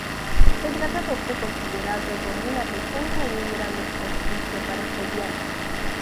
El tratado fue considerado como una deshonra y un gran desprestigio para Joviano.